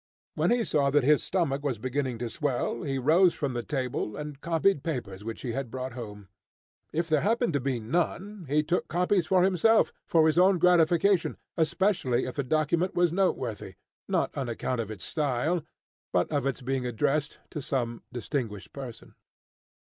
When he saw that his stomach was beginning to swell, he rose from the table, and copied papers which he had brought home. If there happened to be none, he took copies for himself, for his own gratification, especially if the document was noteworthy, not on account of its style, but of its being addressed to some distinguished person.